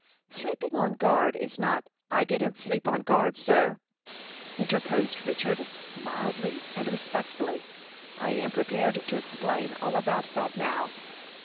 Sleeping on guard is not " "I didn't sleep on guard, sir," interposed Richard, mildly and respectfully. "I am prepared to explain all about that now."